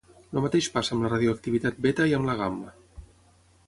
El mateix passa amb la radioactivitat beta i amb la gamma.